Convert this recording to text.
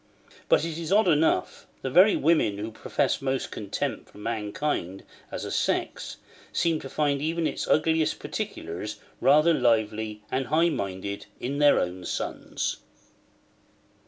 But it is odd enough; the very women who profess most contempt for mankind as a sex, seem to find even its ugliest particulars rather lively and high minded in their own sons.